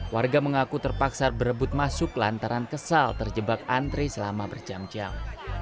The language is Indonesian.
warga mengaku terpaksa berebut masuk lantaran kesal terjebak antre selama berjam jam